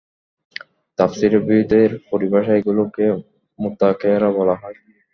তাফসীরবিদদের পরিভাষায় এগুলোকে মুতাখায়্যারা বলা হয়।